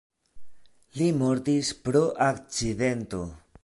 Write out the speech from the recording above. Li mortis pro akcidento.